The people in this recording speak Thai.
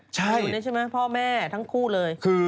ใช่ไม่ใช่พ่อแม่ทั้งคู่เลย